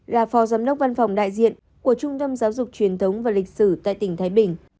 là phó giám đốc văn phòng đại diện của trung tâm giáo dục truyền thống và lịch sử tại tỉnh thái bình